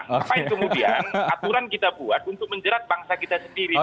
ngapain kemudian aturan kita buat untuk menjerat bangsa kita sendiri